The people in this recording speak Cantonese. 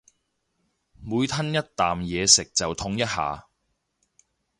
每吞一啖嘢食就痛一下